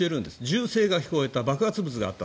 銃声が聞こえた、爆発物があった